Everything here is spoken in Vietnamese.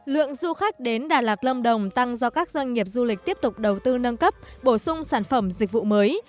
lượng du khách đến đà lạt lâm đồng tăng do các doanh nghiệp du lịch tiếp tục đầu tư nâng cấp bổ sung sản phẩm dịch vụ mới